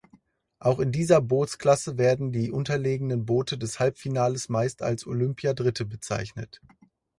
Auch in dieser Bootsklasse werden die unterlegenen Boote des Halbfinales meist als Olympiadritte bezeichnet.